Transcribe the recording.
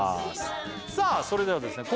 さあそれではですね